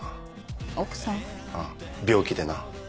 ああ病気でな。